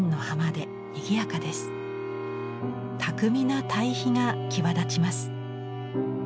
巧みな対比が際立ちます。